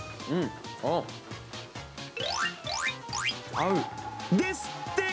合う！ですって。